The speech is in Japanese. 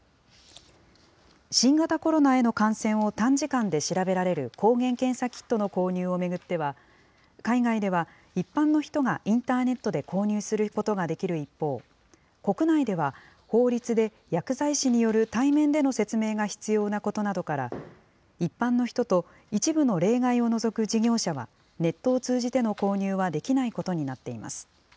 新型コロナへの感染を短時間で調べられる抗原検査キットの購入を巡っては、海外では、一般の人がインターネットで購入することができる一方、国内では法律で薬剤師による対面での説明が必要なことなどから、一般の人と一部の例外を除く事業者は、ネットを通じての購入はできないことになっています。